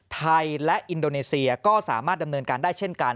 ไทยและอินโดนีเซียก็สามารถดำเนินการได้เช่นกัน